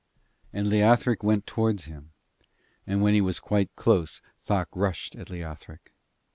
And Leothric went towards him, and when he was quite close Thok rushed at Leothric.